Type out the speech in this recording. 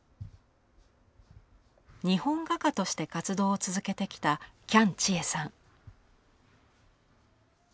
日本画家として活動を続けてきた喜屋武千恵さん。